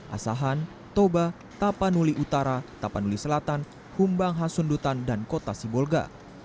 asahan toba tapanuli utara tapanuli selatan humbang hasundutan dan kota sibolga